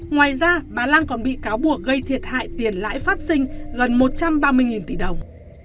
ngoài ra bà lan còn bị cáo buộc gây thiệt hại tiền lãi phát sinh gần một trăm ba mươi tỷ đồng